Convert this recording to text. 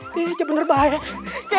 ih bener bener bahaya